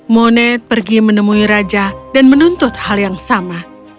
moned pergi menemui raja dan menuntut hal yang sama